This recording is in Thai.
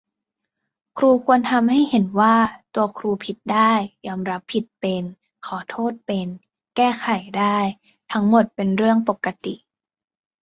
ครูควรทำให้เห็นว่า ตัวครูผิดได้ ยอมรับผิดเป็น ขอโทษเป็น แก้ไขได้ ทั้งหมดเป็นเรื่องปกติ